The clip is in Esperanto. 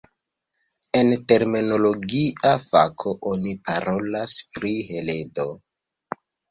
En terminologia fako, oni parolas pri heredo.